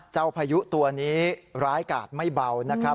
พายุตัวนี้ร้ายกาดไม่เบานะครับ